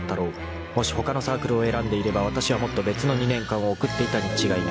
［もしほかのサークルを選んでいればわたしはもっと別の２年間を送っていたに違いない］